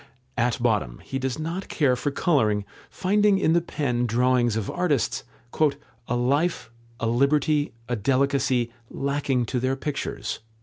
At bottom he does not care for colouring, finding in the pen drawings of artists "a life, a liberty, a delicacy, lacking to their pictures."